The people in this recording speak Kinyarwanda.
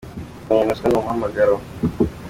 Kurwanya ruswa ni umuhamagaro